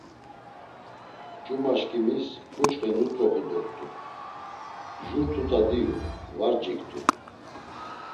Cumaşkimis ǩuçxe nut̆roxu dort̆u, jur tuta diyu var ciktu.